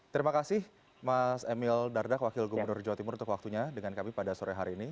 terima kasih mas emil dardak wakil gubernur jawa timur untuk waktunya dengan kami pada sore hari ini